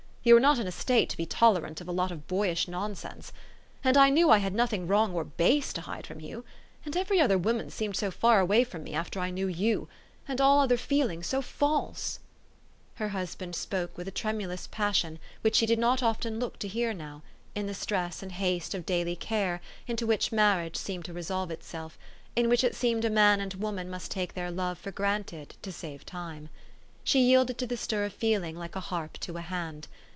You were not in a state to be tolerant of a lot of boyish nonsense. And I knew I had nothing wrong or base to hide from you. And every other woman seemed so far away from me after I knew you ! and all other feeling so false !" Her husband spoke with a tremulous passion which 306 THE STORY OF AVIS. she did not often look to hear now, in the stress and haste of daily care into which marriage seemed to resolve itself, in which it seemed a man and woman must take their love for granted to save time. She yielded to the stir of feeling like a harp to a hand.